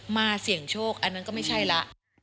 เสี่ยงโชคอันนั้นก็ไม่ใช่แล้ว